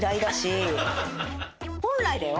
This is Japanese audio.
本来だよ？